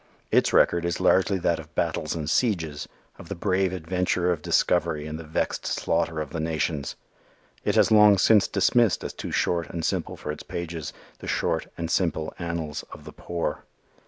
Its record is largely that of battles and sieges, of the brave adventure of discovery and the vexed slaughter of the nations. It has long since dismissed as too short and simple for its pages, the short and simple annals of the poor.